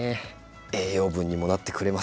栄養分にもなってくれます。